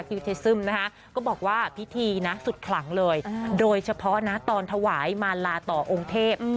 เทซึมนะคะก็บอกว่าพิธีนะสุดขลังเลยโดยเฉพาะนะตอนถวายมาลาต่อองค์เทพ